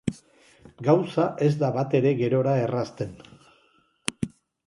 Gauza ez da batere gerora errazten.